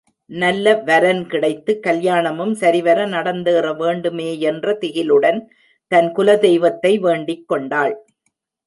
நல்ல வரன் கிடைத்துக் கல்யாணமும் சரிவர நடந்தேற வேண்டுமேயென்ற திகிலுடன் தன் குலதெய்வத்தை வேண்டிக் கொண்டாள்.